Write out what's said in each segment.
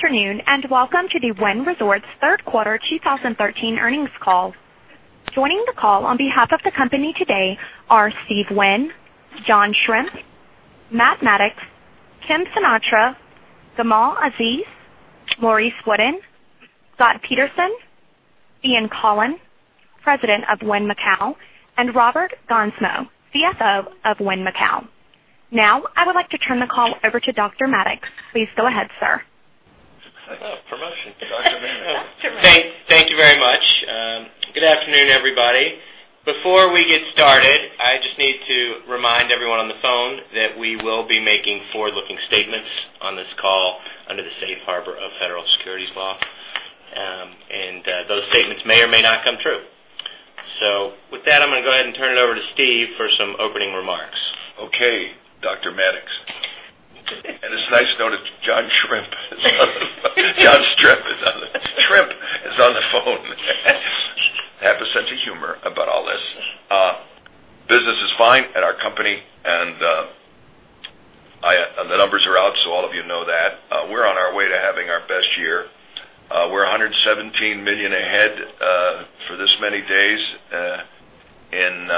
Good afternoon, and welcome to the Wynn Resorts third quarter 2013 earnings call. Joining the call on behalf of the company today are Steve Wynn, John Strzemp, Matt Maddox, Kim Sinatra, Gamal Aziz, Maurice Wooden, Scott Peterson, Ian Coughlan, President of Wynn Macau, and Robert Gansmo, CFO of Wynn Macau. Now, I would like to turn the call over to Dr. Maddox. Please go ahead, sir. Oh, promotion. Dr. Maddox. Doctor. Thank you very much. Good afternoon, everybody. Before we get started, I just need to remind everyone on the phone that we will be making forward-looking statements on this call under the safe harbor of federal securities law. Those statements may or may not come true. With that, I'm going to go ahead and turn it over to Steve for some opening remarks. Okay, Dr. Maddox. It's nice to note that John Strzemp is on the phone. John Strzemp is on the phone. Have a sense of humor about all this. Business is fine at our company, and the numbers are out, so all of you know that. We're on our way to having our best year. We're $117 million ahead for this many days. In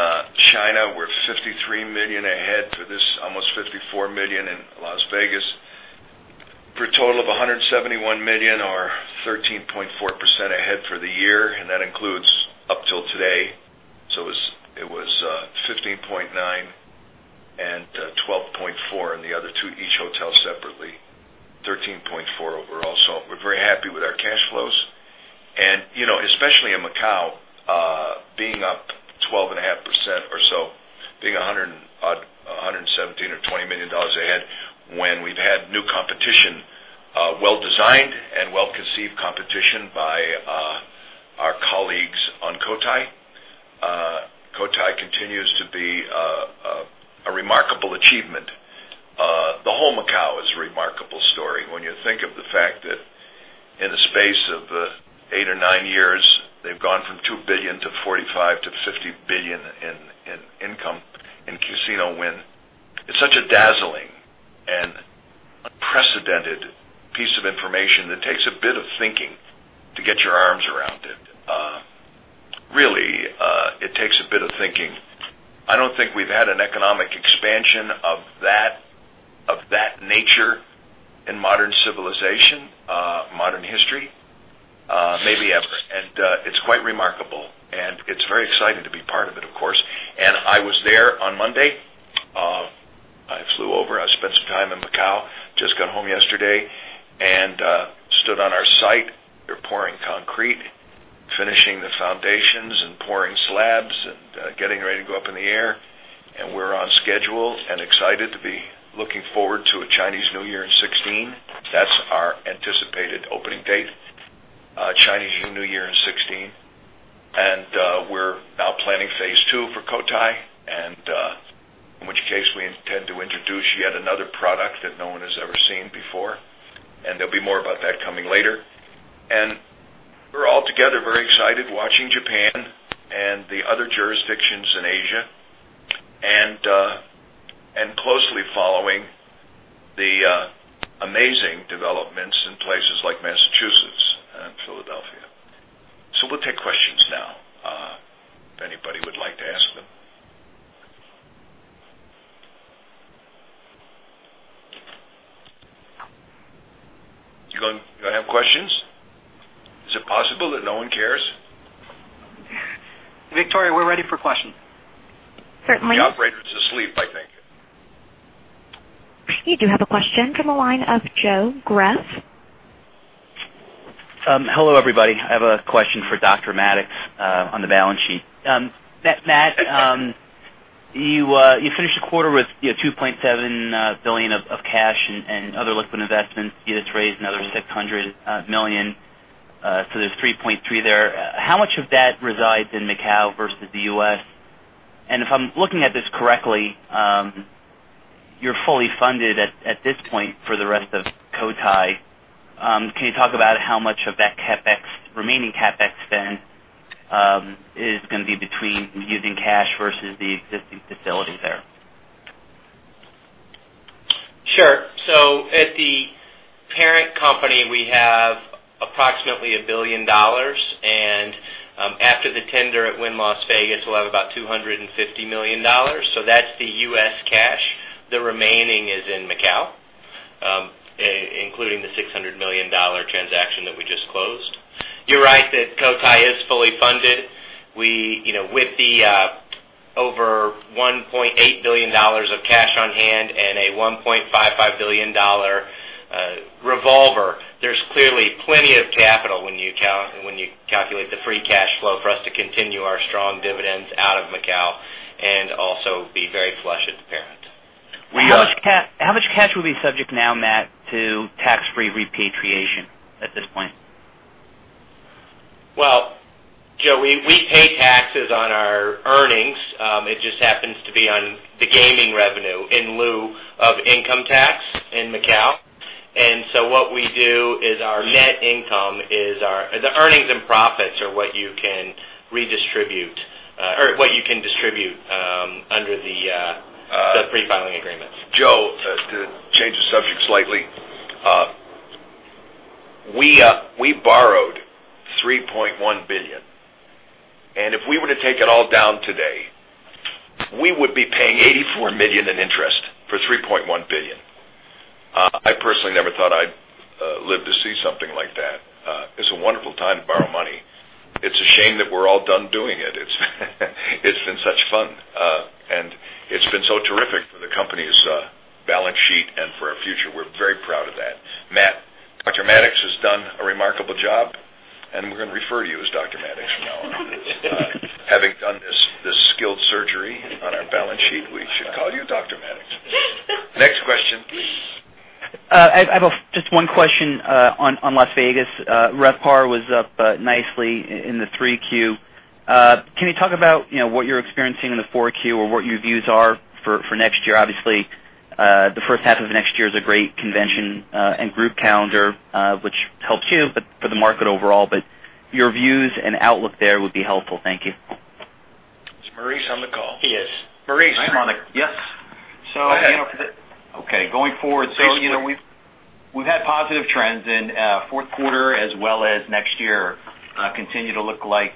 China, we're $53 million ahead for this, almost $54 million in Las Vegas, for a total of $171 million or 13.4% ahead for the year, and that includes up till today. It was 15.9% and 12.4% in the other two, each hotel separately, 13.4% overall. We're very happy with our cash flows and especially in Macau, being up 12.5% or so, being $117 or $20 million ahead when we've had new competition, well-designed and well-conceived competition by our colleagues on Cotai. Cotai continues to be a remarkable achievement. The whole Macau is a remarkable story when you think of the fact that in the space of 8 or 9 years, they've gone from $2 billion to $45 billion-$50 billion in income in casino win. It's such a dazzling and unprecedented piece of information that takes a bit of thinking to get your arms around it. Really, it takes a bit of thinking. I don't think we've had an economic expansion of that nature in modern civilization, modern history, maybe ever. It's quite remarkable, and it's very exciting to be part of it, of course. I was there on Monday. I flew over. I spent some time in Macau, just got home yesterday and stood on our site. They're pouring concrete, finishing the foundations and pouring slabs and getting ready to go up in the air. We're on schedule and excited to be looking forward to a Chinese New Year in 2016. That's our anticipated opening date, Chinese New Year in 2016. We're now planning phase 2 for Cotai, in which case, we intend to introduce yet another product that no one has ever seen before. There'll be more about that coming later. We're all together very excited watching Japan and the other jurisdictions in Asia, closely following the amazing developments in places like Massachusetts and Philadelphia. We'll take questions now, if anybody would like to ask them. You don't have questions? Is it possible that no one cares? Victoria, we're ready for questions. Certainly. The operator is asleep, I think. You do have a question from the line of Joseph Greff. Hello, everybody. I have a question for Dr. Maddox on the balance sheet. Matt, you finished the quarter with $2.7 billion of cash and other liquid investments. You just raised another $600 million. There's $3.3 billion there. How much of that resides in Macau versus the U.S.? If I'm looking at this correctly, you're fully funded at this point for the rest of Cotai. Can you talk about how much of that remaining CapEx spend is going to be between using cash versus the existing facilities there? Sure. At the parent company, we have approximately $1 billion, and after the tender at Wynn Las Vegas, we'll have about $250 million. That's the U.S. cash. The remaining is in Macau, including the $600 million transaction that we just closed. You're right that Cotai is fully funded. With the over $1.8 billion of cash on hand and a $1.55 billion revolver, there's clearly plenty of capital when you calculate the free cash flow for us to continue our strong dividends out of Macau and also be very flush at the parent. How much cash will be subject now, Matt, to tax-free repatriation at this point? Well, Joe, we pay taxes on our earnings. It just happens to be on the gaming revenue in lieu of income tax in Macau. What we do is the earnings and profits are what you can distribute under the pre-filing agreements. Joe, to change the subject slightly. We borrowed $3.1 billion, if we were to take it all down today, we would be paying $84 million in interest for $3.1 billion. I personally never thought I'd live to see something like that. It's a wonderful time to borrow money. It's a shame that we're all done doing it. It's been such fun, it's been so terrific for the company's balance sheet and for our future. We're very proud of that. Matt, Dr. Maddox, has done a remarkable job, we're going to refer to you as Dr. Maddox from now on. Having done this skilled surgery on our balance sheet, we should call you Dr. Maddox. Next question, please. I have just one question on Las Vegas. RevPAR was up nicely in the 3Q. Can you talk about what you're experiencing in the 4Q or what your views are for next year? Obviously, the first half of next year is a great convention and group calendar, which helps you, but for the market overall, but your views and outlook there would be helpful. Thank you. Is Maurice on the call? He is. Maurice? I am on. Yes. Go ahead. Okay. Going forward, we've had positive trends in fourth quarter as well as next year continue to look like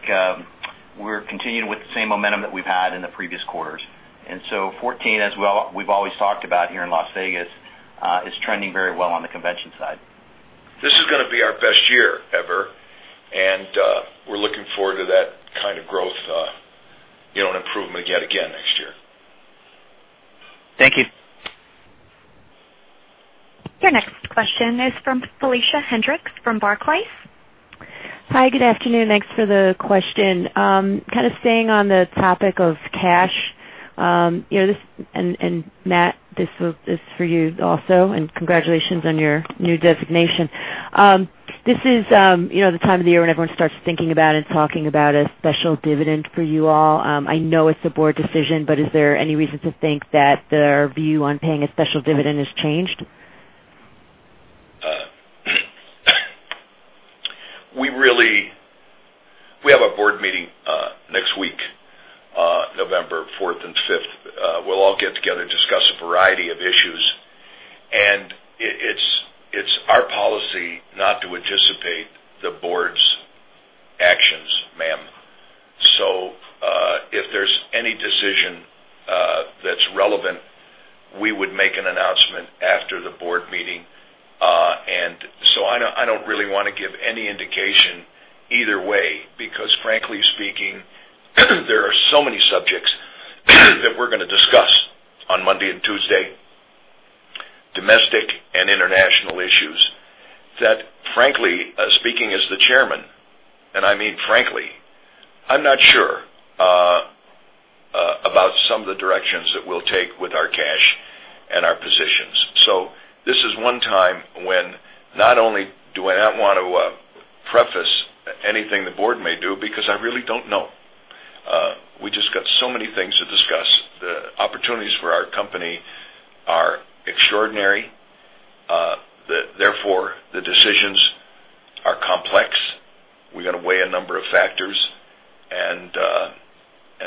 we're continuing with the same momentum that we've had in the previous quarters. 2014, as we've always talked about here in Las Vegas, is trending very well on the convention side. This is going to be our best year ever, and we're looking forward to that kind of growth and improvement yet again next year. Thank you. Your next question is from Felicia Hendrix from Barclays. Hi, good afternoon. Thanks for the question. Kind of staying on the topic of cash, and Matt, this is for you also, and congratulations on your new designation. This is the time of the year when everyone starts thinking about and talking about a special dividend for you all. I know it's the board's decision, but is there any reason to think that their view on paying a special dividend has changed? We have a board meeting next week, November fourth and fifth. We'll all get together to discuss a variety of issues, and it's our policy not to anticipate the board's actions, ma'am. If there's any decision that's relevant, we would make an announcement after the board meeting. I don't really want to give any indication either way, because frankly speaking, there are so many subjects that we're going to discuss on Monday and Tuesday, domestic and international issues, that frankly, speaking as the chairman, and I mean frankly, I'm not sure about some of the directions that we'll take with our cash and our positions. This is one time when not only do I not want to preface anything the board may do because I really don't know. We just got so many things to discuss. The opportunities for our company are extraordinary. Therefore, the decisions are complex. We've got to weigh a number of factors and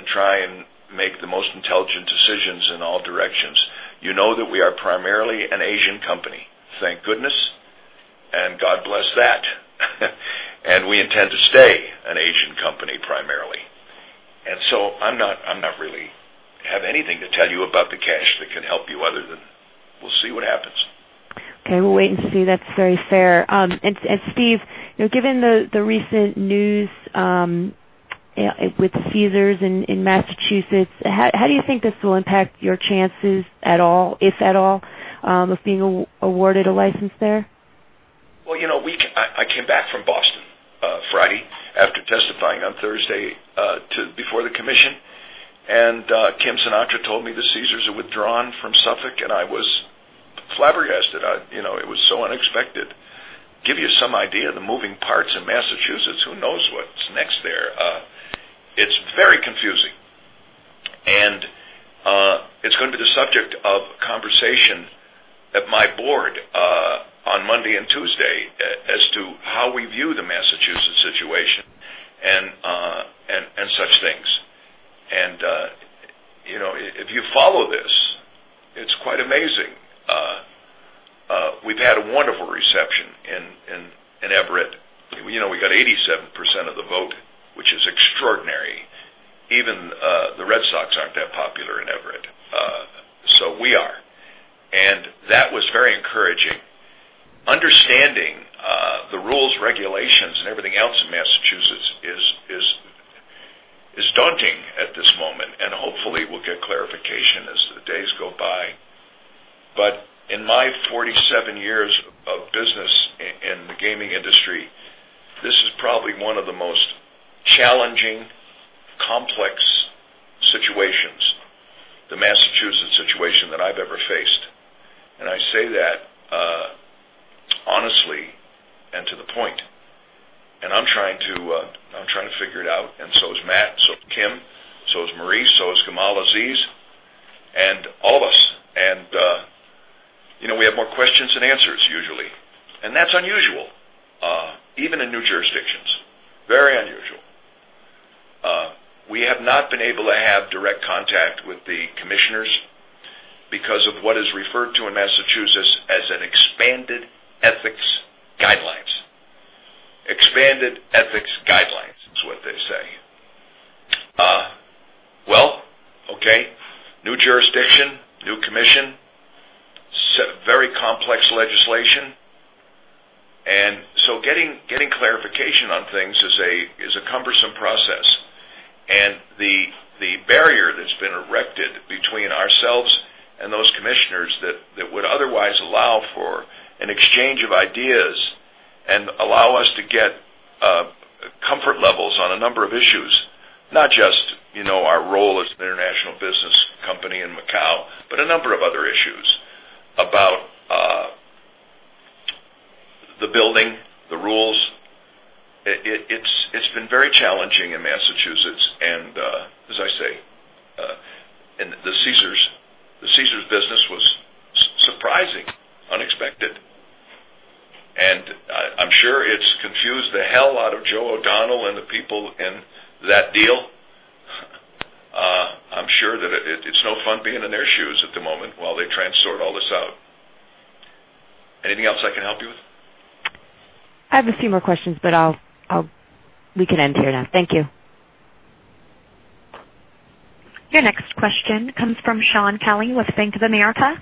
try and make the most intelligent decisions in all directions. You know that we are primarily an Asian company. Thank goodness and God bless that. We intend to stay an Asian company primarily. I'm not really have anything to tell you about the cash that can help you other than we'll see what happens. Okay, we'll wait and see. That's very fair. Steve, given the recent news with Caesars in Massachusetts, how do you think this will impact your chances at all, if at all, of being awarded a license there? Well, I came back from Boston Friday after testifying on Thursday before the commission, and Kim Sinatra told me that Caesars had withdrawn from Suffolk, and I was flabbergasted. It was so unexpected. Give you some idea of the moving parts in Massachusetts, who knows what's next there. It's very confusing, and it's going to be the subject of conversation at my board on Monday and Tuesday as to how we view the Massachusetts situation and such things. If you follow this, it's quite amazing. We've had a wonderful reception in Everett. We got 87% of the vote, which is extraordinary. Even the Red Sox aren't that popular in Everett, so we are. That was very encouraging. Understanding the rules, regulations, and everything else in Massachusetts is daunting at this moment, and hopefully we'll get clarification as the days go by. In my 47 years of business in the gaming industry, this is probably one of the most challenging, complex situations, the Massachusetts situation, that I've ever faced. I say that honestly and to the point. I'm trying to figure it out, and so is Matt, so is Kim, so is Maurice, so is Gamal Aziz, and all of us. We have more questions than answers usually. That's unusual. We have not been able to have direct contact with the commissioners because of what is referred to in Massachusetts as an Expanded Ethics Guidelines. Expanded Ethics Guidelines is what they say. Okay, new jurisdiction, new commission, very complex legislation. Getting clarification on things is a cumbersome process. The barrier that's been erected between ourselves and those commissioners that would otherwise allow for an exchange of ideas and allow us to get comfort levels on a number of issues, not just our role as an international business company in Macau, but a number of other issues about the building, the rules. It's been very challenging in Massachusetts, as I say, the Caesars business was surprising, unexpected, and I'm sure it's confused the hell out of Joe O'Donnell and the people in that deal. I'm sure that it's no fun being in their shoes at the moment while they try and sort all this out. Anything else I can help you with? I have a few more questions, we can end here now. Thank you. Your next question comes from Shaun Kelley with Bank of America.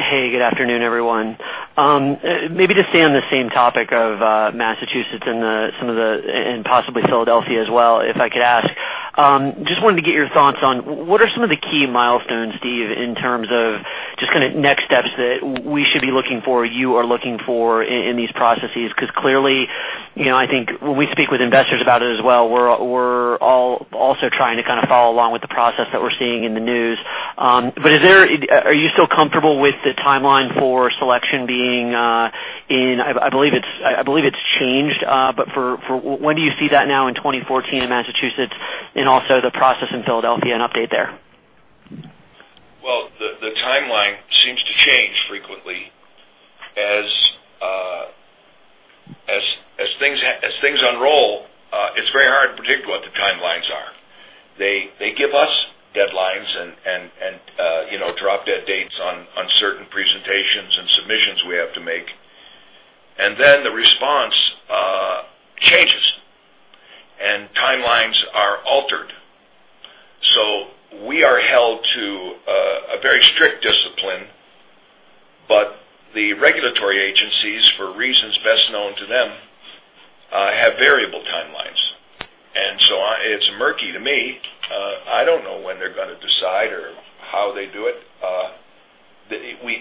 Hey, good afternoon, everyone. Maybe to stay on the same topic of Massachusetts and possibly Philadelphia as well, if I could ask, just wanted to get your thoughts on what are some of the key milestones, Steve, in terms of just kind of next steps that we should be looking for, you are looking for in these processes, because clearly, I think when we speak with investors about it as well, we're all also trying to kind of follow along with the process that we're seeing in the news. Are you still comfortable with the timeline for selection being? I believe it's changed, but when do you see that now in 2014 in Massachusetts and also the process in Philadelphia, an update there? Well, the timeline seems to change frequently. As things unroll, it's very hard to predict what the timelines are. They give us deadlines and drop dead dates on certain presentations and submissions we have to make, and then the response changes, and timelines are altered. We are held to a very strict discipline, but the regulatory agencies, for reasons best known to them, have variable timelines. It's murky to me. I don't know when they're going to decide or how they do it.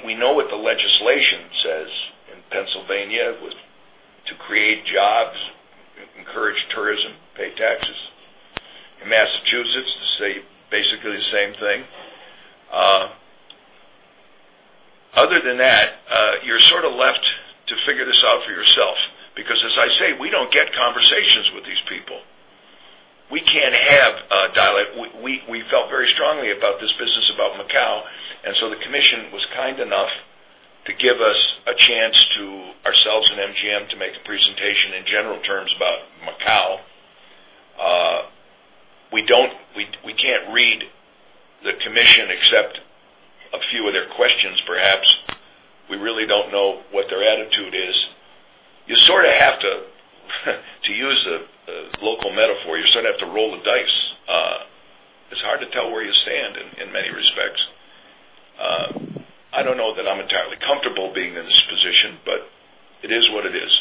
We know what the legislation says in Pennsylvania, to create jobs, encourage tourism, pay taxes. In Massachusetts, basically the same thing. Other than that, you're sort of left to figure this out for yourself because, as I say, we don't get conversations with these people. We can't have dialogue. We felt very strongly about this business, about Macau, the commission was kind enough to give us a chance to, ourselves and MGM, to make a presentation in general terms about Macau. We can't read the commission except a few of their questions perhaps. We really don't know what their attitude is. You sort of have to use a local metaphor, you sort of have to roll the dice. It's hard to tell where you stand in many respects. I don't know that I'm entirely comfortable being in this position, but it is what it is.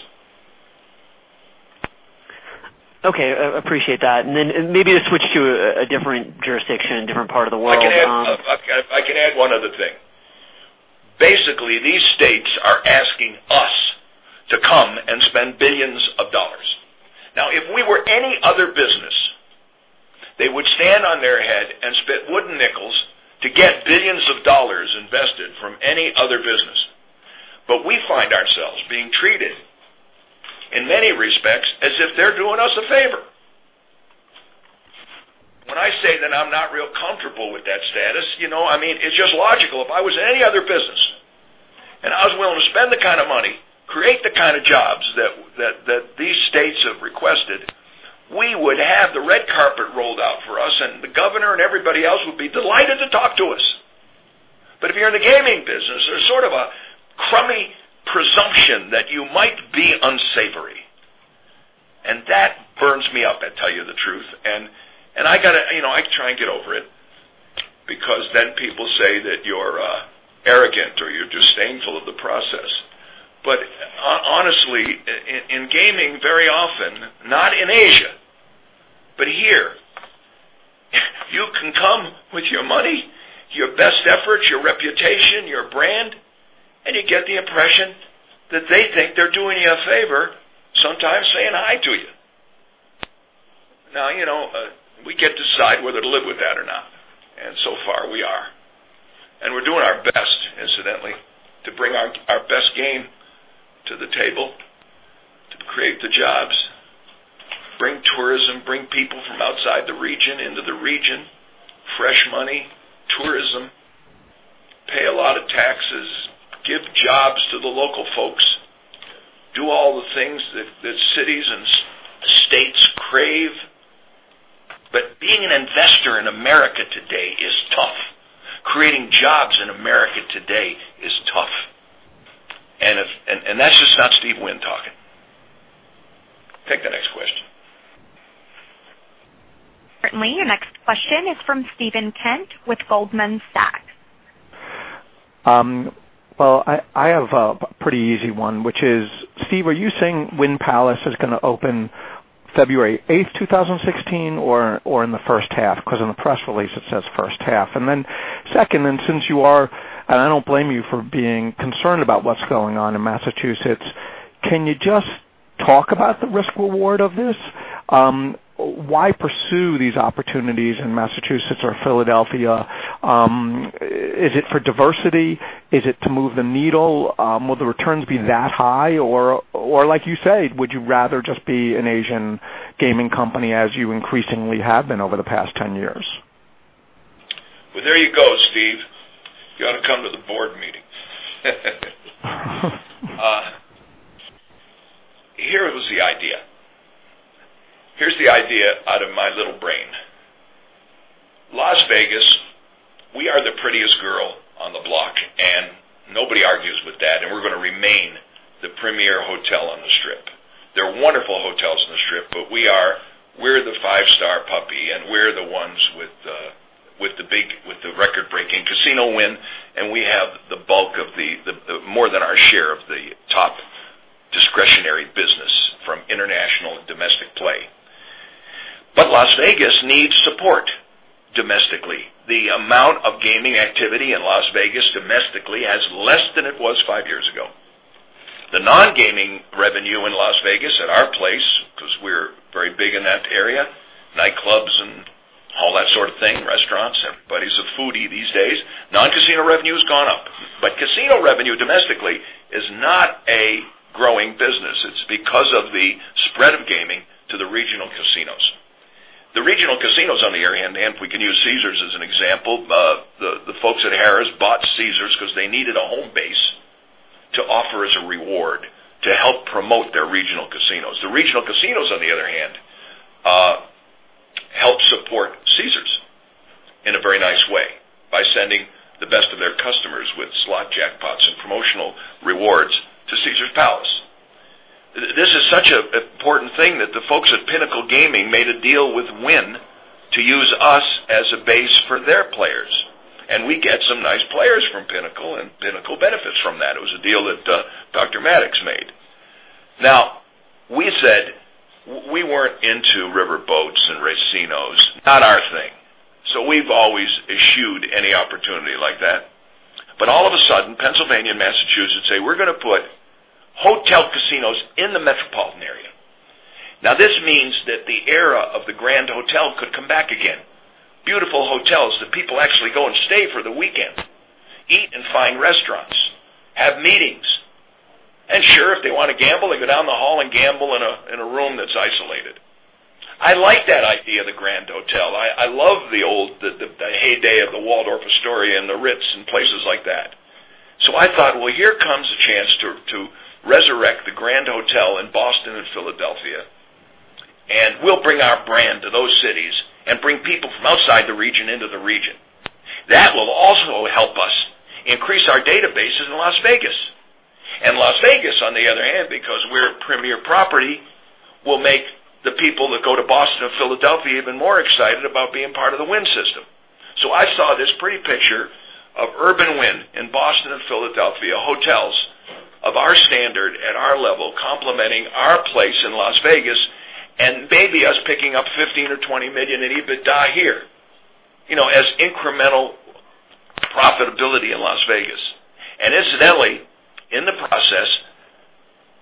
Okay. Appreciate that. Maybe to switch to a different jurisdiction, different part of the world. I can add one other thing. Basically, these states are asking us to come and spend billions of dollars. If we were any other business, they would stand on their head and spit wooden nickels to get billions of dollars invested from any other business. We find ourselves being treated in many respects as if they're doing us a favor. When I say that I'm not real comfortable with that status, it's just logical. If I was in any other business and I was willing to spend the kind of money, create the kind of jobs that these states have requested, we would have the red carpet rolled out for us, and the governor and everybody else would be delighted to talk to us. If you're in the gaming business, there's sort of a crummy presumption that you might be unsavory, and that burns me up, I tell you the truth. I try and get over it because then people say that you're arrogant or you're disdainful of the process. Honestly, in gaming, very often, not in Asia, but here, you can come with your money, your best efforts, your reputation, your brand, and you get the impression that they think they're doing you a favor sometimes saying hi to you. We get to decide whether to live with that or not, and so far, we are. We're doing our best, incidentally, to bring our best game to the table, to create the jobs, bring tourism, bring people from outside the region into the region, fresh money, tourism. Pay a lot of taxes, give jobs to the local folks, do all the things that cities and states crave. Being an investor in America today is tough. Creating jobs in America today is tough. That's just not Steve Wynn talking. Take the next question. Certainly. Your next question is from Steven Kent with Goldman Sachs. I have a pretty easy one, which is, Steve, are you saying Wynn Palace is going to open February 8, 2016 or in the first half? In the press release it says first half. Since you are, and I don't blame you for being concerned about what's going on in Massachusetts, can you just talk about the risk-reward of this? Why pursue these opportunities in Massachusetts or Philadelphia? Is it for diversity? Is it to move the needle? Will the returns be that high? Like you say, would you rather just be an Asian gaming company as you increasingly have been over the past 10 years? There you go, Steve. Here was the idea. Here's the idea out of my little brain. Las Vegas, we are the prettiest girl on the block, and nobody argues with that, and we're going to remain the premier hotel on the Strip. There are wonderful hotels on the Strip, we're the five-star puppy, and we're the ones with the record-breaking casino win, and we have more than our share of the top discretionary business from international and domestic play. Las Vegas needs support domestically. The amount of gaming activity in Las Vegas domestically has less than it was five years ago. The non-gaming revenue in Las Vegas at our place, because we're very big in that area, nightclubs and all that sort of thing, restaurants, everybody's a foodie these days. Non-casino revenue has gone up. Casino revenue domestically is not a growing business. It's because of the spread of gaming to the regional casinos. The regional casinos on the area, if we can use Caesars as an example, the folks at Harrah's bought Caesars because they needed a home base to offer as a reward to help promote their regional casinos. The regional casinos, on the other hand, help support Caesars in a very nice way by sending the best of their customers with slot jackpots and promotional rewards to Caesars Palace. This is such an important thing that the folks at Pinnacle Entertainment made a deal with Wynn to use us as a base for their players. We get some nice players from Pinnacle Entertainment, and Pinnacle Entertainment benefits from that. It was a deal that Dr. Maddox made. We said we weren't into riverboats and racinos, not our thing. We've always eschewed any opportunity like that. All of a sudden, Pennsylvania and Massachusetts say, "We're going to put hotel casinos in the metropolitan area." This means that the era of the Grand Hotel could come back again. Beautiful hotels that people actually go and stay for the weekend, eat in fine restaurants, have meetings. Sure, if they want to gamble, they go down the hall and gamble in a room that's isolated. I like that idea of the Grand Hotel. I love the heyday of the Waldorf Astoria and the Ritz and places like that. I thought, here comes a chance to resurrect the Grand Hotel in Boston and Philadelphia, and we'll bring our brand to those cities and bring people from outside the region into the region. That will also help us increase our databases in Las Vegas. Las Vegas, on the other hand, because we're a premier property, will make the people that go to Boston and Philadelphia even more excited about being part of the Wynn system. I saw this pretty picture of Urban Wynn in Boston and Philadelphia, hotels of our standard at our level complementing our place in Las Vegas, and maybe us picking up $15 million or $20 million in EBITDA here as incremental profitability in Las Vegas. Incidentally, in the process,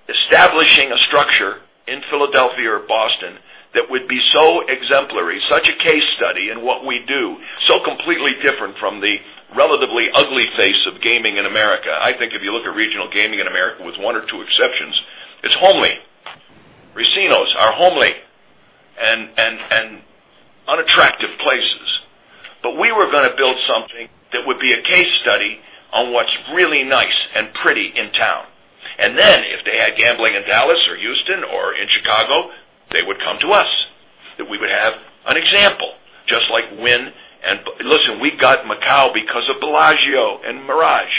establishing a structure in Philadelphia or Boston that would be so exemplary, such a case study in what we do, so completely different from the relatively ugly face of gaming in America. I think if you look at regional gaming in America with one or two exceptions, it's homely. Racinos are homely and unattractive places. We were going to build something that would be a case study on what's really nice and pretty in town. If they had gambling in Dallas or Houston or in Chicago, they would come to us, that we would have an example, just like Wynn. Listen, we got Macau because of Bellagio and Mirage.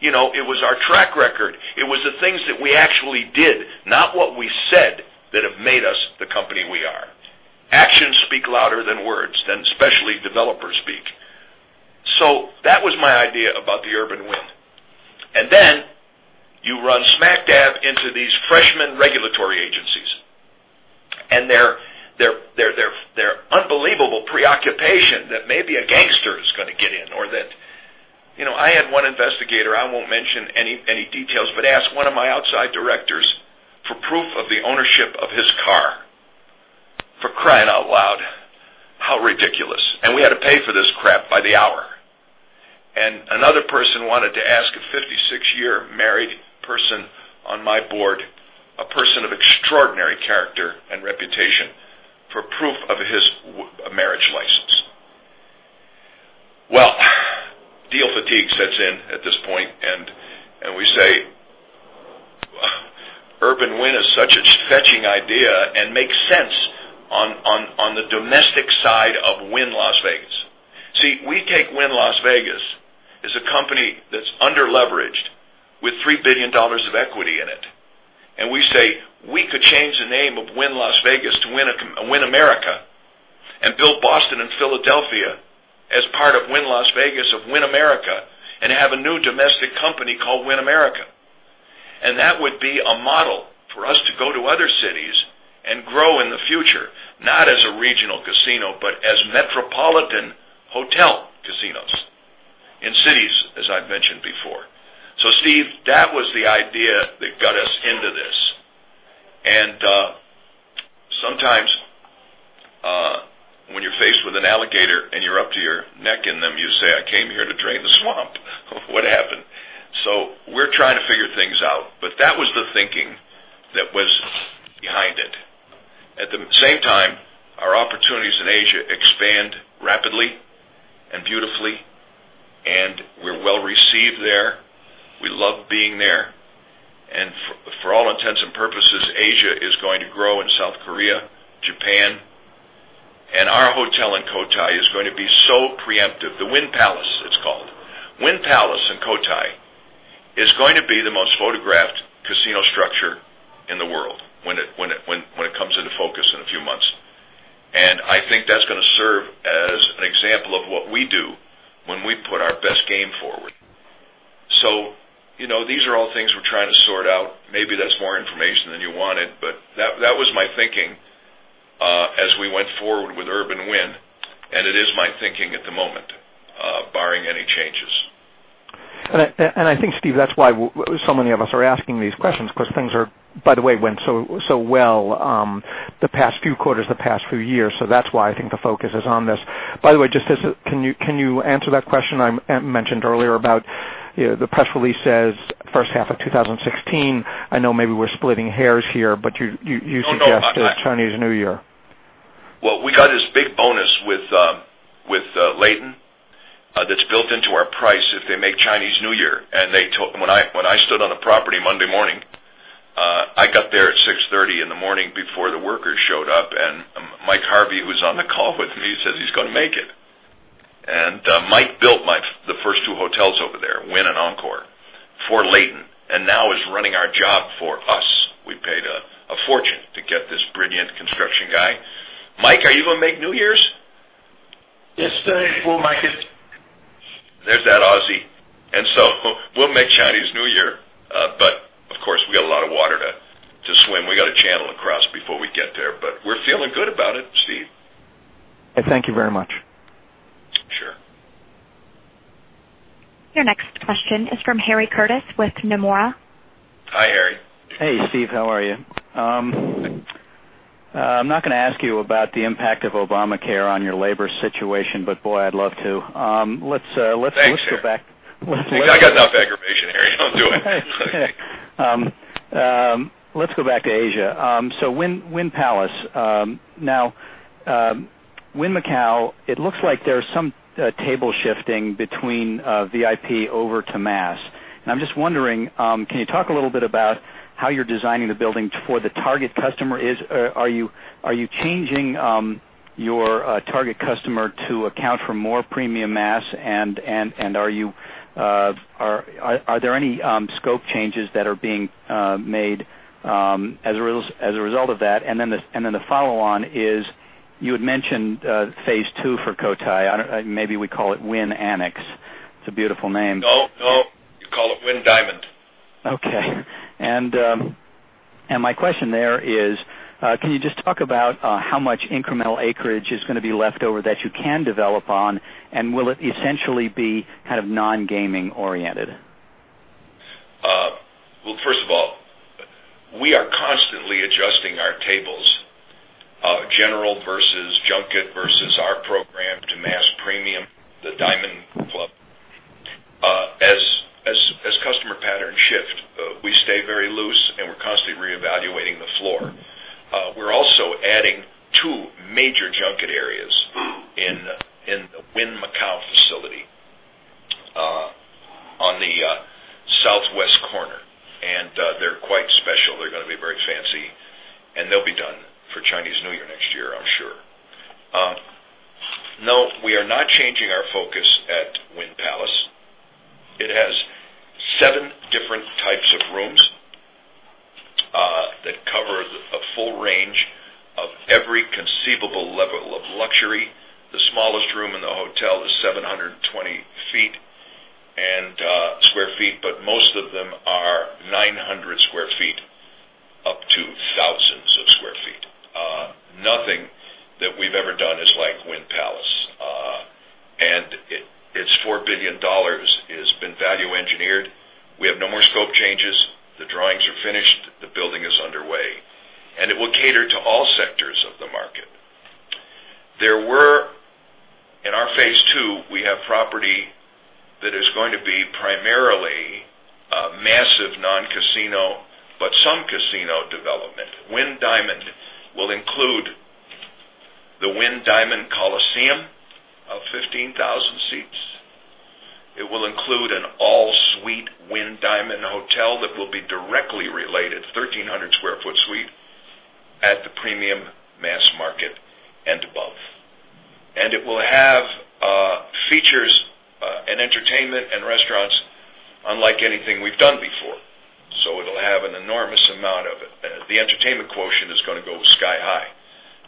It was our track record. It was the things that we actually did, not what we said that have made us the company we are. Actions speak louder than words, than especially developers speak. That was my idea about the Urban Wynn. You run smack dab into these freshman regulatory agencies and their unbelievable preoccupation that maybe a gangster is going to get in or that. I had one investigator, I won't mention any details, but asked one of my outside directors for proof of the ownership of his car. For crying out loud, how ridiculous. We had to pay for this crap by the hour. Another person wanted to ask a 56-year married person on my board, a person of extraordinary character and reputation a marriage license. Deal fatigue sets in at this point, and we say Urban Wynn is such a fetching idea and makes sense on the domestic side of Wynn Las Vegas. We take Wynn Las Vegas as a company that's under-leveraged with $3 billion of equity in it, and we say we could change the name of Wynn Las Vegas to Wynn America, and build Boston and Philadelphia as part of Wynn Las Vegas of Wynn America, and have a new domestic company called Wynn America. That would be a model for us to go to other cities and grow in the future, not as a regional casino, but as metropolitan hotel casinos in cities, as I've mentioned before. Steve, that was the idea that got us into this, and sometimes when you're faced with an alligator and you're up to your neck in them, you say, "I came here to drain the swamp." What happened? We're trying to figure things out, but that was the thinking that was behind it. Our opportunities in Asia expand rapidly and beautifully. We're well-received there. We love being there. For all intents and purposes, Asia is going to grow in South Korea, Japan, and our hotel in Cotai is going to be so preemptive. The Wynn Palace, it's called. Wynn Palace in Cotai is going to be the most photographed casino structure in the world when it comes into focus in a few months. I think that's going to serve as an example of what we do when we put our best game forward. These are all things we're trying to sort out. Maybe that's more information than you wanted, but that was my thinking as we went forward with Urban Wynn, and it is my thinking at the moment, barring any changes. I think, Steve, that's why so many of us are asking these questions because things are, by the way, went so well the past few quarters, the past few years. That's why I think the focus is on this. By the way, can you answer that question I mentioned earlier about the press release says first half of 2016. I know maybe we're splitting hairs here, but you- No. -suggested Chinese New Year. Well, we got this big bonus with Leighton that's built into our price if they make Chinese New Year. When I stood on the property Monday morning, I got there at 6:30 A.M. before the workers showed up. Mike Harvey, who was on the call with me, says he's going to make it. Mike built the first two hotels over there, Wynn and Encore for Leighton, and now is running our job for us. We paid a fortune to get this brilliant construction guy. Mike, are you going to make New Year's? Yes, we'll make it. There's that Aussie. We'll make Chinese New Year. Of course, we got a lot of water to swim. We got a channel to cross before we get there, but we're feeling good about it, Steve. Thank you very much. Sure. Your next question is from Harry Curtis with Nomura. Hi, Harry. Hey, Steve. How are you? I'm not going to ask you about the impact of Obamacare on your labor situation, but boy, I'd love to. Thanks, Harry. Let's go back. I got enough aggravation, Harry. Don't do it. Let's go back to Asia. Wynn Palace. Wynn Macau, it looks like there's some table shifting between VIP over to mass. I'm just wondering, can you talk a little bit about how you're designing the building for the target customer is? Are you changing your target customer to account for more premium mass? Are there any scope changes that are being made as a result of that? The follow-on is, you had mentioned phase two for Cotai. Maybe we call it Wynn Annex. It's a beautiful name. No, you call it Wynn Diamond. Okay. My question there is, can you just talk about how much incremental acreage is going to be left over that you can develop on, and will it essentially be kind of non-gaming oriented? Well, first of all, we are constantly adjusting our tables, general versus junket versus our program to mass premium, the Diamond Club. As customer patterns shift, we stay very loose. We're constantly reevaluating the floor. We're also adding two major junket areas in the Wynn Macau facility on the southwest corner. They're quite special. They're going to be very fancy, and they'll be done for Chinese New Year next year, I'm sure. No, we are not changing our focus at Wynn Palace. It has 7 different types of rooms that cover a full range of every conceivable level of luxury. The smallest room in the hotel is 720 sq ft, but most of them are 900 sq ft up to thousands of sq ft. Nothing that we've ever done is like Wynn Palace. Its $4 billion has been value-engineered. We have no more scope changes. The drawings are finished, the building is underway. It will cater to all sectors of the market. There will be Casino development. Wynn Diamond will include the Wynn Diamond Coliseum of 15,000 seats. It will include an all-suite Wynn Diamond Hotel that will be directly related, 1,300 sq ft suite, at the premium mass market and above. It will have features and entertainment and restaurants unlike anything we've done before. It'll have an enormous amount of it. The entertainment quotient is going to go sky high,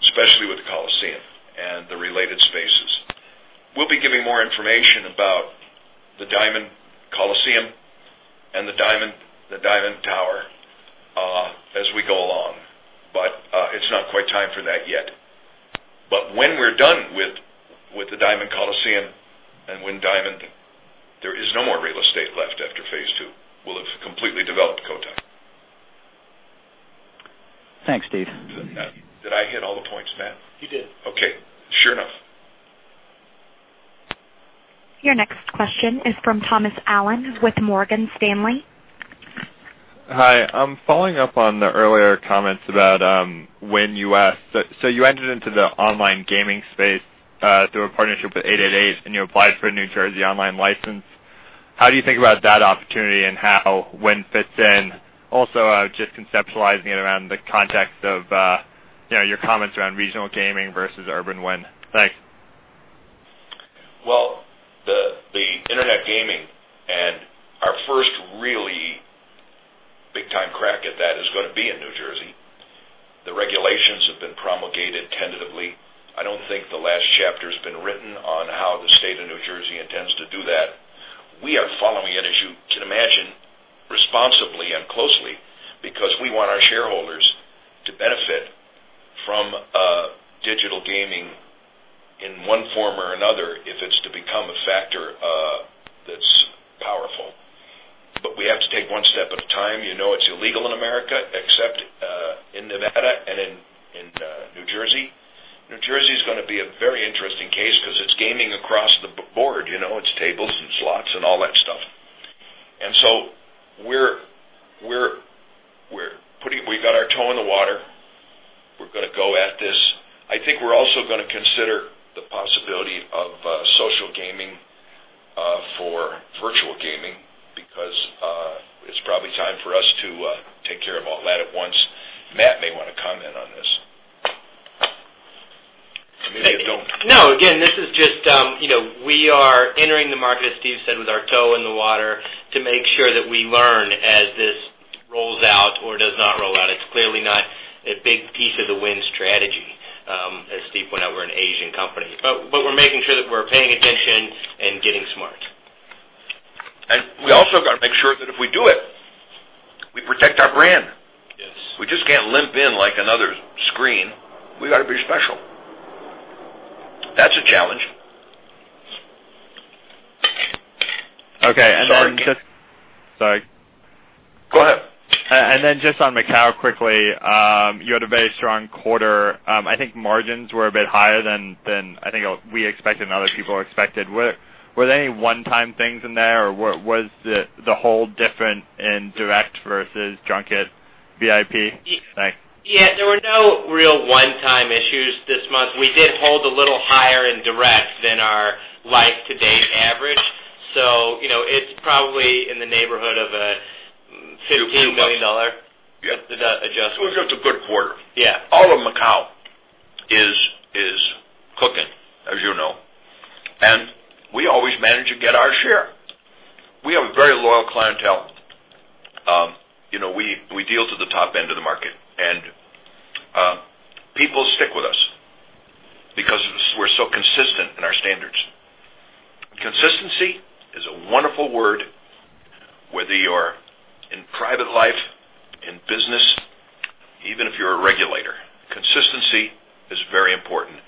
especially with the Coliseum and the related spaces. We'll be giving more information about the Diamond Coliseum and the Diamond Tower as we go along, but it's not quite time for that yet. When we're done with the Diamond Coliseum and Wynn Diamond, there is no more real estate left after phase 2. We'll have completely developed Cotai. Thanks, Steve. Did I hit all the points, Matt? You did. Okay. Sure enough. Your next question is from Thomas Allen with Morgan Stanley. Hi, following up on the earlier comments about Wynn U.S. You entered into the online gaming space through a partnership with 888, and you applied for a New Jersey online license. How do you think about that opportunity and how Wynn fits in? Also, just conceptualizing it around the context of your comments around regional gaming versus Urban Wynn. Thanks. The internet gaming and our first really big-time crack at that is going to be in New Jersey. The regulations have been promulgated tentatively. I don't think the last chapter's been written on how the state of New Jersey intends to do that. We are following it, as you can imagine, responsibly and closely, because we want our shareholders to benefit from digital gaming in one form or another, if it's to become a factor that's powerful. We have to take one step at a time. You know it's illegal in America, except in Nevada and in New Jersey. New Jersey is going to be a very interesting case because it's gaming across the board. It's tables and slots and all that stuff. We got our toe in the water. We're going to go at this. I think we're also going to consider the possibility of social gaming for virtual gaming because it's probably time for us to take care of all that at once. Matt may want to comment on this. Maybe I don't. No, again, we are entering the market, as Steve said, with our toe in the water to make sure that we learn as this rolls out or does not roll out. It's clearly not a big piece of the Wynn strategy. As Steve pointed out, we're an Asian company. We're making sure that we're paying attention and getting smart. We also got to make sure that if we do it, we protect our brand. Yes. We just can't limp in like another screen. We got to be special. That's a challenge. Okay. And then just- Sorry. Go ahead. Then just on Macau quickly, you had a very strong quarter. I think margins were a bit higher than I think we expected and other people expected. Were there any one-time things in there, or was the hold different in direct versus junket VIP? Thanks. There were no real one-time issues this month. We did hold a little higher in direct than our life to date average. It's probably in the neighborhood of a $15 million adjustment. It was just a good quarter. Yeah. All of Macau is cooking, as you know. We always manage to get our share. We have a very loyal clientele. We deal to the top end of the market. People stick with us because we're so consistent in our standards. Consistency is a wonderful word, whether you're in private life, in business, even if you're a regulator. Consistency is very important.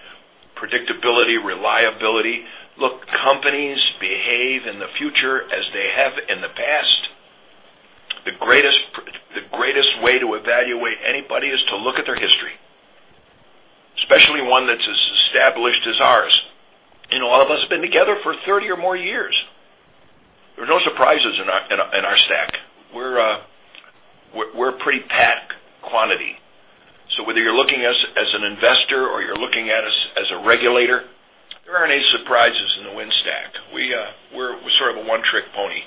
Predictability, reliability. Look, companies behave in the future as they have in the past. The greatest way to evaluate anybody is to look at their history, especially one that's as established as ours. All of us have been together for 30 or more years. There are no surprises in our stack. We're a pretty packed quantity. Whether you're looking at us as an investor or you're looking at us as a regulator, there aren't any surprises in the Wynn stack. We're sort of a one-trick pony.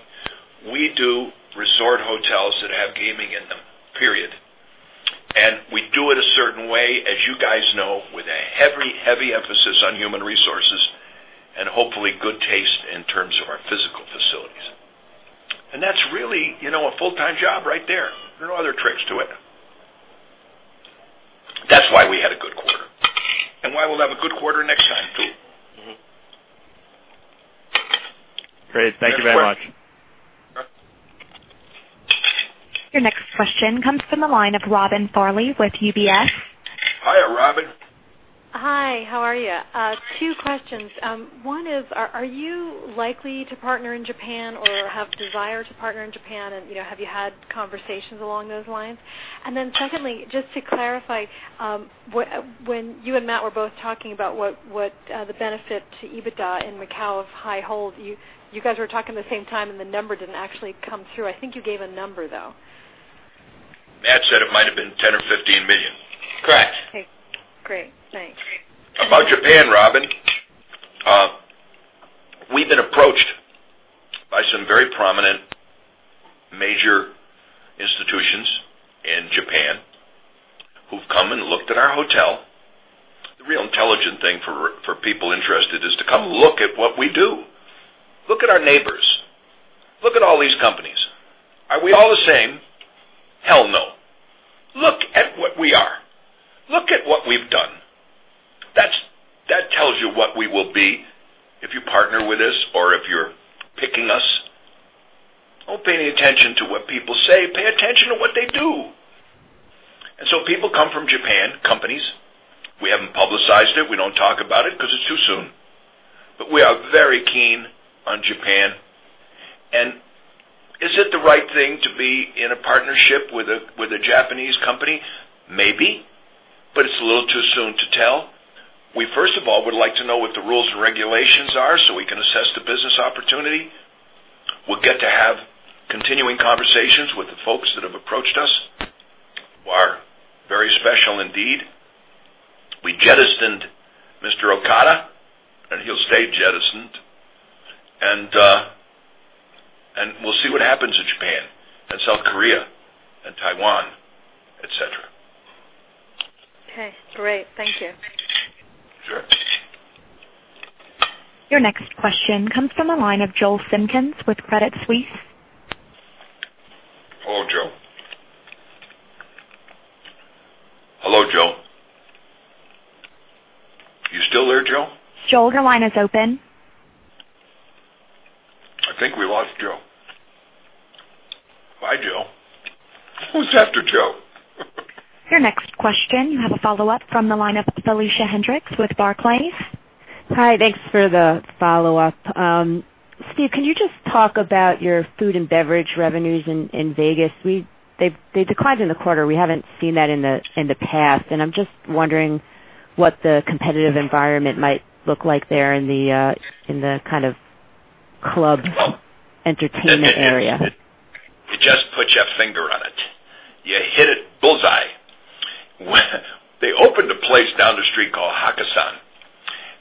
We do resort hotels that have gaming in them, period. We do it a certain way, as you guys know, with a heavy emphasis on human resources and hopefully good taste in terms of our physical facilities. That's really a full-time job right there. There are no other tricks to it. That's why we had a good quarter and why we'll have a good quarter next time, too. Great. Thank you very much. Next question. Your next question comes from the line of Robin Farley with UBS. Hiya, Robin. Hi, how are you? Two questions. One is, are you likely to partner in Japan or have desire to partner in Japan, have you had conversations along those lines? Secondly, just to clarify, when you and Matt were both talking about what the benefit to EBITDA in Macau of high hold, you guys were talking the same time and the number didn't actually come through. I think you gave a number, though. Matt said it might have been $10 million or $15 million. Correct. Okay, great. Thanks. About Japan, Robin, we've been approached by some very prominent major institutions in Japan who've come and looked at our hotel. The real intelligent thing for people interested is to come look at what we do. Look at our neighbors. Look at all these companies. Are we all the same? Hell, no. Look at what we are. Look at what we've done. That tells you what we will be if you partner with us or if you're picking us. Don't pay any attention to what people say, pay attention to what they do. So people come from Japan, companies. We haven't publicized it. We don't talk about it because it's too soon, but we are very keen on Japan. Is it the right thing to be in a partnership with a Japanese company? Maybe, but it's a little too soon to tell. We, first of all, would like to know what the rules and regulations are so we can assess the business opportunity. We'll get to have continuing conversations with the folks that have approached us, who are very special indeed. We jettisoned Mr. Okada, and he'll stay jettisoned. We'll see what happens in Japan, and South Korea, and Taiwan, et cetera. Okay, great. Thank you. Sure. Your next question comes from the line of Joel Simkins with Credit Suisse. Hello, Joel. Hello, Joel. You still there, Joel? Joel, your line is open. I think we lost Joel. Bye, Joel. Who's after Joel? Your next question, you have a follow-up from the line of Felicia Hendrix with Barclays. Hi, thanks for the follow-up. Steve, can you just talk about your food and beverage revenues in Vegas? They declined in the quarter. We haven't seen that in the past, and I'm just wondering what the competitive environment might look like there in the kind of club entertainment area. You just put your finger on it. You hit it bullseye. They opened a place down the street called Hakkasan,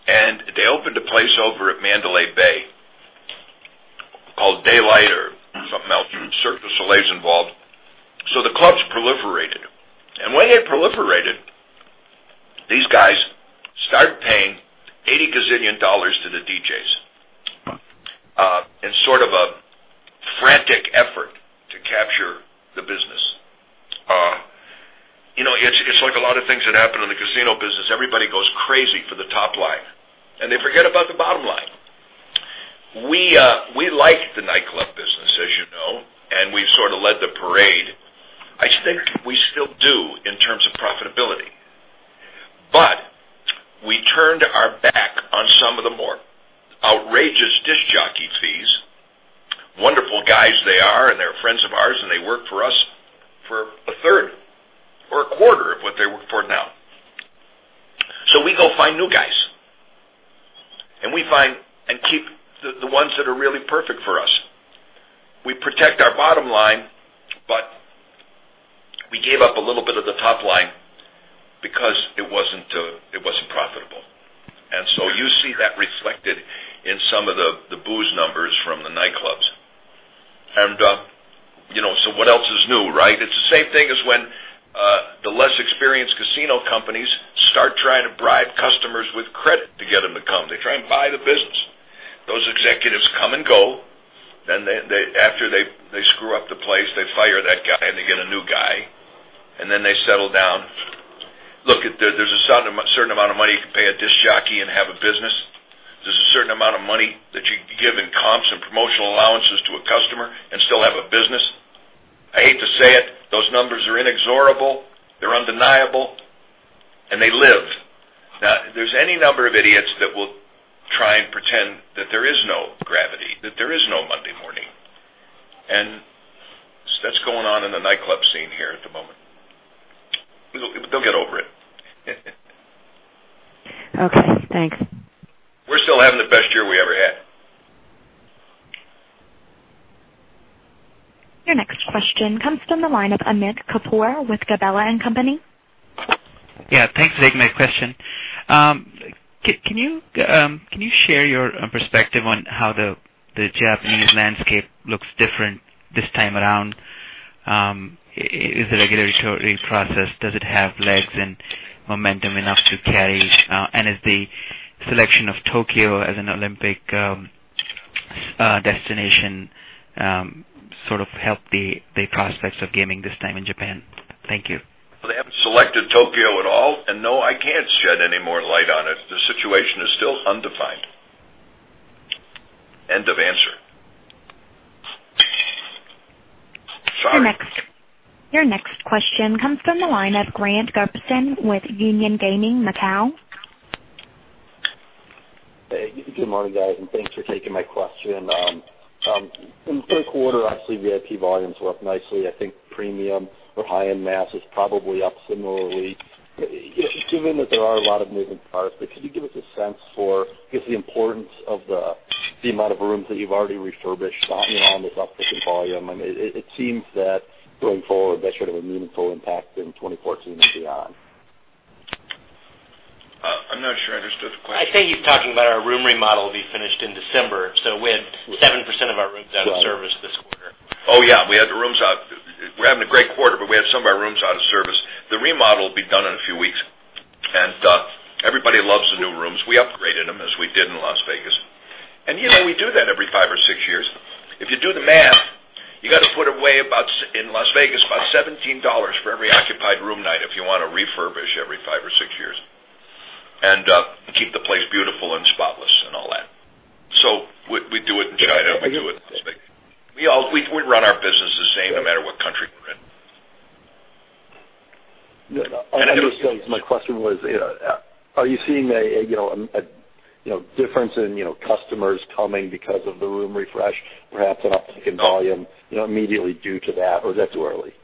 and they opened a place over at Mandalay Bay called Daylight or something else, Cirque du Soleil's involved. The clubs proliferated. When they proliferated, these guys start paying $80 gazillion to the DJs in sort of a frantic effort to capture the business. It's like a lot of things that happen in the casino business. Everybody goes crazy for the top line, and they forget about the bottom line. We like the nightclub business, as you know, and we've sort of led the parade. I think we still do in terms of profitability. We turned our back on some of the more outrageous disc jockey fees. Wonderful guys they are, and they're friends of ours, and they work for us for a third or a quarter of what they work for now. We go find new guys, and we find and keep the ones that are really perfect for us. We protect our bottom line, but we gave up a little bit of the top line because it wasn't profitable. You see that reflected in some of the booze numbers from the nightclubs. What else is new, right? It's the same thing as when the less experienced casino companies start trying to bribe customers with credit to get them to come. They try and buy the business. Those executives come and go. After they screw up the place, they fire that guy, and they get a new guy, and then they settle down. Look, there's a certain amount of money you can pay a disc jockey and have a business. There's a certain amount of money that you can give in comps and promotional allowances to a customer and still have a business. I hate to say it, those numbers are inexorable, they're undeniable, and they live. There's any number of idiots that will try and pretend that there is no gravity, that there is no Monday morning. That's going on in the nightclub scene here at the moment. They'll get over it. Okay, thanks. We're still having the best year we ever had. Your next question comes from the line of Amit Kapoor with Gabelli & Company. Yeah. Thanks for taking my question. Can you share your perspective on how the Japanese landscape looks different this time around? Is the regulatory process, does it have legs and momentum enough to carry? Has the selection of Tokyo as an Olympic destination sort of helped the prospects of gaming this time in Japan? Thank you. They haven't selected Tokyo at all. No, I can't shed any more light on it. The situation is still undefined. End of answer. Sorry. Your next question comes from the line of Grant Govertsen with Union Gaming, Macau. Hey, good morning, guys, and thanks for taking my question. In the third quarter, obviously, VIP volumes were up nicely. I think premium or high-end mass is probably up similarly. Given that there are a lot of moving parts, but could you give us a sense for, I guess, the importance of the amount of rooms that you've already refurbished on this uptick in volume? It seems that going forward, that should have a meaningful impact in 2014 and beyond. I'm not sure I understood the question. I think he's talking about our room remodel will be finished in December, so we had 7% of our rooms out of service this quarter. We had the rooms out. We're having a great quarter. We had some of our rooms out of service. The remodel will be done in a few weeks. Everybody loves the new rooms. We upgraded them as we did in Las Vegas. We do that every five or six years. If you do the math, you got to put away in Las Vegas about $17 for every occupied room night if you want to refurbish every five or six years and keep the place beautiful and spotless and all that. We do it in China. We do it in Las Vegas. We run our business the same no matter what country we're in. My question was, are you seeing a difference in customers coming because of the room refresh, perhaps an uptick in volume immediately due to that, or is that too early? No.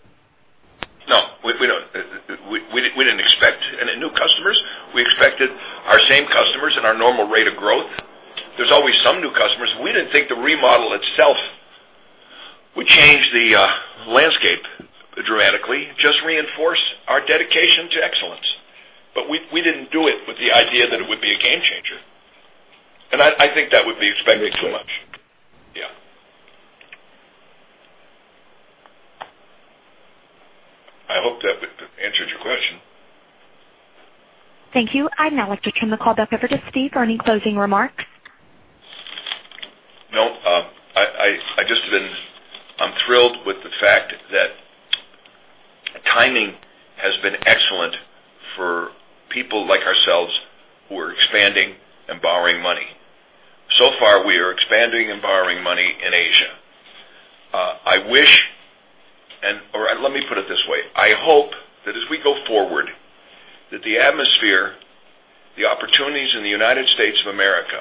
We didn't expect any new customers. We expected our same customers and our normal rate of growth. There's always some new customers. We didn't think the remodel itself would change the landscape dramatically, just reinforce our dedication to excellence. We didn't do it with the idea that it would be a game changer. I think that would be expecting too much. Makes sense. Yeah. I hope that answered your question. Thank you. I'd now like to turn the call back over to Steve for any closing remarks. No. I'm thrilled with the fact that timing has been excellent for people like ourselves who are expanding and borrowing money. Far, we are expanding and borrowing money in Asia. Let me put it this way. I hope that as we go forward, that the atmosphere, the opportunities in the United States of America,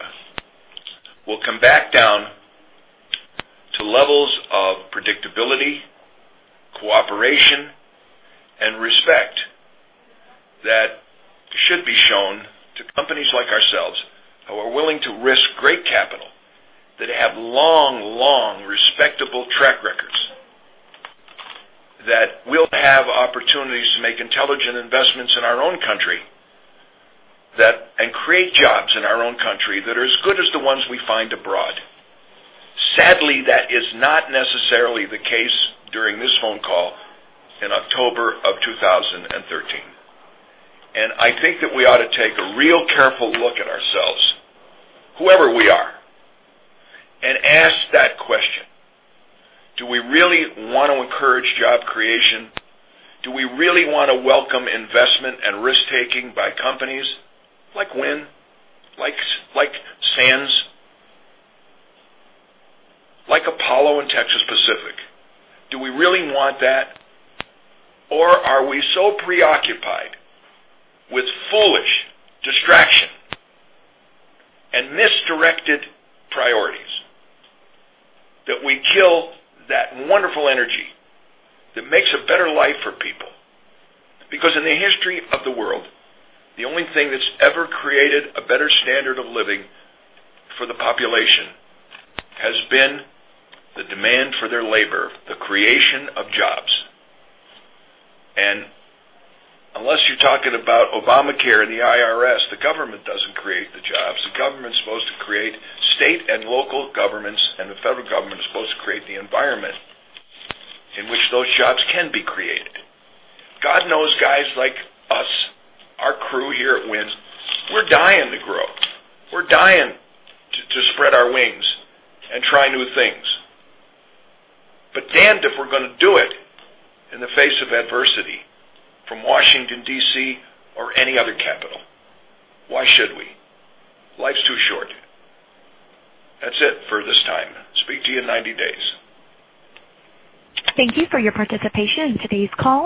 will come back down to levels of predictability, cooperation, and respect that should be shown to companies like ourselves, who are willing to risk great capital, that have long, respectable track records. That we'll have opportunities to make intelligent investments in our own country and create jobs in our own country that are as good as the ones we find abroad. Sadly, that is not necessarily the case during this phone call in October of 2013. I think that we ought to take a real careful look at ourselves, whoever we are, and ask that question: Do we really want to encourage job creation? Do we really want to welcome investment and risk-taking by companies like Wynn, like Sands, like Apollo and Texas Pacific? Do we really want that? Are we so preoccupied with foolish distraction and misdirected priorities that we kill that wonderful energy that makes a better life for people? Because in the history of the world, the only thing that's ever created a better standard of living for the population has been the demand for their labor, the creation of jobs. Unless you're talking about Obamacare and the IRS, the government doesn't create the jobs. State and local governments and the federal government are supposed to create the environment in which those jobs can be created. God knows guys like us, our crew here at Wynn, we're dying to grow. We're dying to spread our wings and try new things. Damned if we're going to do it in the face of adversity from Washington, D.C. or any other capital. Why should we? Life's too short. That's it for this time. Speak to you in 90 days. Thank you for your participation in today's call